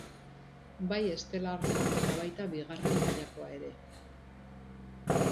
Bai estelarra eta baita bigarren mailakoa ere.